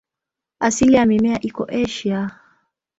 Asili ya mimea iko Asia.